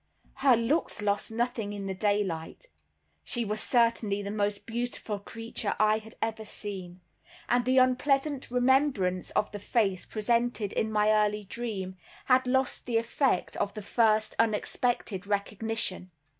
Her looks lost nothing in daylight—she was certainly the most beautiful creature I had ever seen, and the unpleasant remembrance of the face presented in my early dream, had lost the effect of the first unexpected recognition.